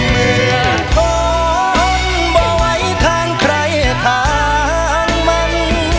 เหมือนท้อนบ่ไว้ทางใครทางมัน